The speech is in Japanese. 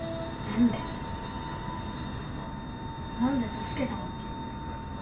何で助けたんだよ。